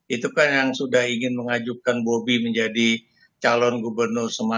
itu kan yang sudah ingin mengajukan bobi menjadi calon gubernur